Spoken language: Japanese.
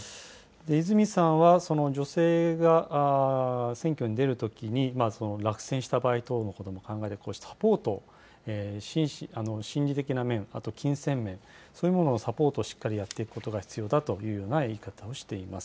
泉さんは、女性が選挙に出るときに、落選した場合等のことも考えて、サポート、心理的な面、あと金銭面、そういうものをサポート、しっかりやっていくことが必要だというような言い方をしています。